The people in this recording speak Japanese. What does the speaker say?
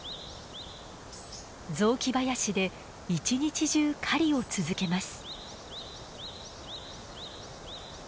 雑木林で一日中狩りを続けます。